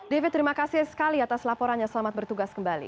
david terima kasih sekali atas laporannya selamat bertugas kembali